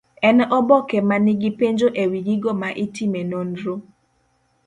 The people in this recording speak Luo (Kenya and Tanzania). En oboke man gi penjo ewi gigo ma itime nonro.